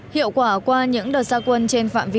hiệu quả qua những đợt gia quân trên phạm vi